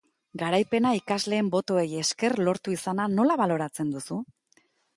Garaipena ikasleen botoei esker lortu izana nola baloratzen duzu?